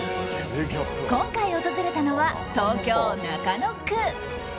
今回訪れたのは東京・中野区。